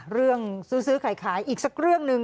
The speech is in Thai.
เรื่องซื้อขายอีกสักเรื่องหนึ่ง